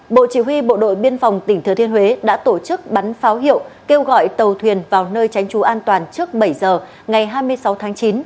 bộ chỉ huy bộ đội biên phòng tỉnh thừa thiên huế đã tổ chức bắn pháo hiệu kêu gọi tàu thuyền vào nơi tránh trú an toàn trước bảy giờ ngày hai mươi sáu tháng chín